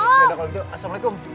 udah udah kalau gitu assalamualaikum